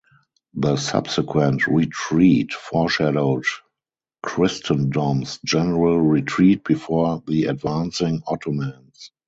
The subsequent retreat foreshadowed Christendom's general retreat before the advancing Ottomans.